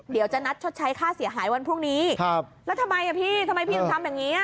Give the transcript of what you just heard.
เดี๋ยวจะนัดชดใช้ค่าเสียหายวันพรุ่งนี้ครับแล้วทำไมอ่ะพี่ทำไมพี่ถึงทำอย่างเงี้